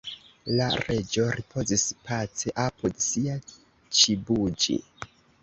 La Reĝo ripozis pace apud sia _ĉibuĝi_.